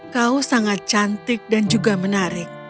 kau sangat cantik dan juga menarik